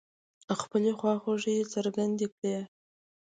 خپلې خواخوږۍ يې څرګندې کړې.